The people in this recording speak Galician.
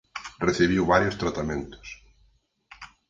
Recibiu varios tratamentos.